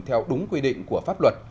theo đúng quy định của pháp luật